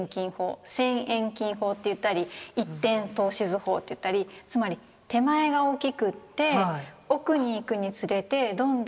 線遠近法といったり一点透視図法といったりつまり手前が大きくって奥に行くにつれてどんどんこう小さくなって。